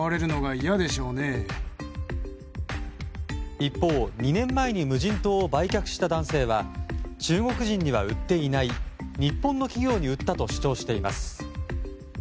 一方、２年前に無人島を売却した男性は中国人には売っていない日本の企業に売ったと主張しています。